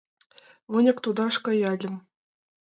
Выньык тодаш каяльым.